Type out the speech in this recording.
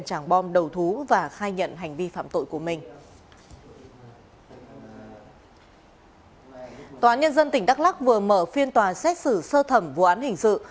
tòa án nhân dân tỉnh đắk lắc vừa mở phiên tòa xét xử sơ thẩm vụ án hình sự